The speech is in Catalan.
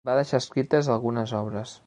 Va deixar escrites algunes obres.